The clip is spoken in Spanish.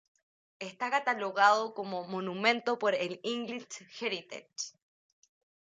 Está catalogado como monumento por el English Heritage.